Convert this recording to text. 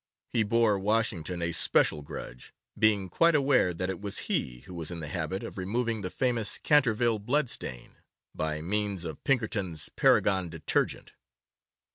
He bore Washington a special grudge, being quite aware that it was he who was in the habit of removing the famous Canterville blood stain, by means of Pinkerton's Paragon Detergent.